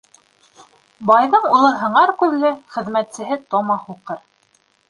Байҙың улы һыңар күҙле, хеҙмәтсеһе тома һуҡыр.